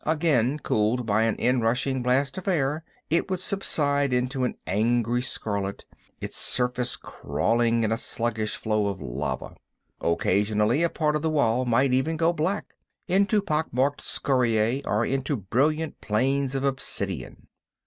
Again, cooled by an inrushing blast of air, it would subside into an angry scarlet, its surface crawling in a sluggish flow of lava. Occasionally a part of the wall might even go black, into pock marked scoriae or into brilliant planes of obsidian.